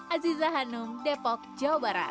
aziza hanum depok jawa barat